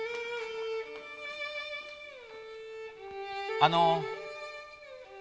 あの。